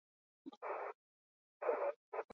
Ordutik urtero antolatu izan dute.